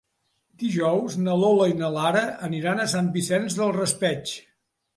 Dijous na Lola i na Lara aniran a Sant Vicent del Raspeig.